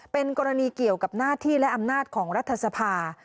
เป็นกรณีเกี่ยวกับหน้าที่และอำนาจของรัฐสภา